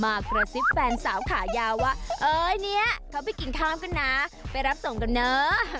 มากระซิบแฟนสาวขายาวว่าเอ้ยเนี่ยเขาไปกินข้าวกันนะไปรับส่งกันเนอะ